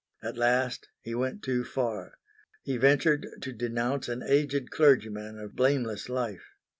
At last he went too far. He ventured to denounce an aged clergyman of blameless life.